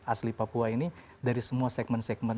asli papua ini dari semua segmen segmen